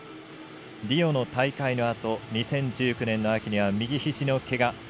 リオの大会のあと２０１９年の秋には右ひじのけが。